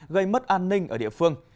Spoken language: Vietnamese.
gây mất an ninh ở địa phương